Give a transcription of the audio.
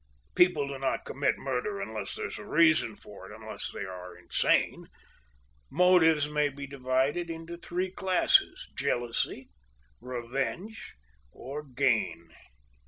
People do not commit murder unless there is a reason for it or unless they are insane. Motives may be divided into three classes jealousy, revenge, or gain.